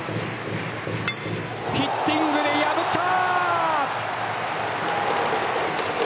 ヒッティングで破った！